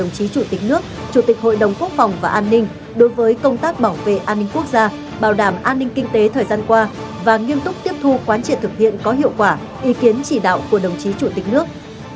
đồng chí chủ tịch nước chủ tịch hội đồng quốc phòng và an ninh đối với công tác bảo vệ an ninh quốc gia bảo đảm an ninh kinh tế thời gian qua và nghiêm túc tiếp thu quán triệt thực hiện có hiệu quả ý kiến chỉ đạo của đồng chí chủ tịch nước